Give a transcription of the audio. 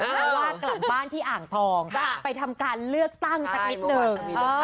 เพราะว่ากลับบ้านที่อ่างทองไปทำการเลือกตั้งสักนิดนึง